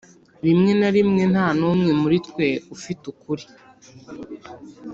rimwe na rimwe nta n'umwe muri twe ufite ukuri